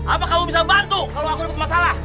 apa kamu bisa bantu kalau aku dapat masalah